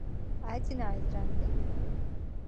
Aicināja uz randiņu?